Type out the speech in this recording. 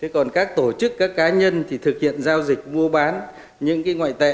còn các tổ chức các cá nhân thì thực hiện giao dịch mua bán những ngoại tệ